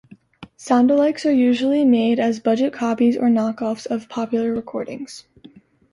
Sound-alikes are usually made as budget copies or "knockoffs" of popular recordings.